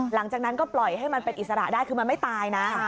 หลังจากนั้นก็ปล่อยให้มันเป็นอิสระได้คือมันไม่ตายนะ